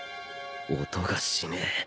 音がしねえ。